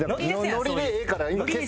ノリでええから今消せ。